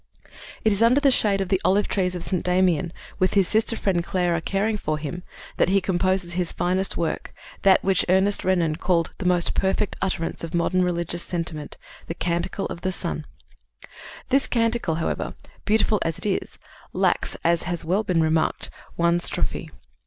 " It is under the shade of the olive trees of St. Damian, with his sister friend Clara caring for him, "that he composes his finest work, that which Ernest Renan called the most perfect utterance of modern religions sentiment, The Canticle of the Sun." This canticle, however, beautiful as it is, lacks, as has well been remarked, one strophe.